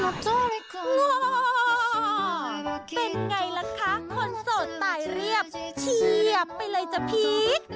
เป็นไงล่ะคะคนโสดตายเรียบเฉียบไปเลยจ้ะพีช